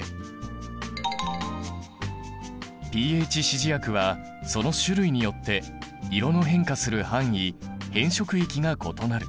指示薬はその種類によって色の変化する範囲変色域が異なる。